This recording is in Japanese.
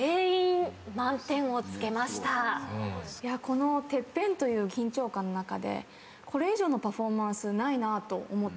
このＴＥＰＰＥＮという緊張感の中でこれ以上のパフォーマンスないなと思って聴いてました。